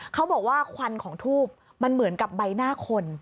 เขาบอกว่าควันของทูบมันเหมือนกับใบหน้าคน